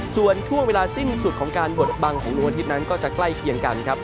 ส่วนช่วงเวลาสิ้นสุดของการบดบังของดวงอาทิตย์นั้นก็จะใกล้เคียงกันครับ